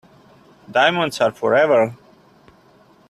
Diamonds are forever.